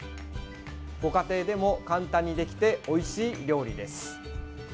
ご家庭でも簡単にできておいしい料理です。